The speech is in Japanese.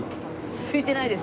すいてないです。